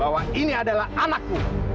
bahwa ini adalah anakku